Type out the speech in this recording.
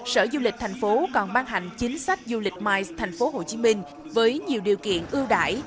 sở du lịch thành phố còn ban hành chính sách du lịch mice tp hcm với nhiều điều kiện ưu đại